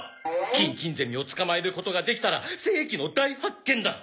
キンキンゼミを捕まえることができたら世紀の大発見だ！